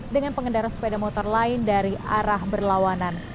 dengan pengendara sepeda motor lain dari arah berlawanan